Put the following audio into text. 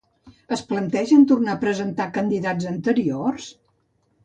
Es plantegen tornar a presentar candidats anteriors?